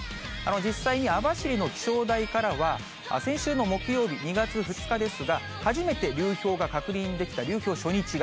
実際に、網走の気象台からは先週の木曜日、２月２日ですが、初めて流氷が確認できた、流氷初日が。